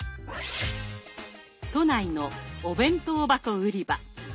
都内のお弁当箱売り場。